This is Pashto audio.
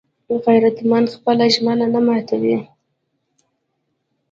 غیرتمند خپله ژمنه نه ماتوي